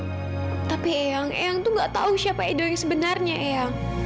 tetapi eang ibu tidak tahu siapa edo sebenarnya ibu